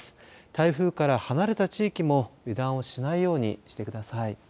台風から離れた地域も油断をしないようにしてください。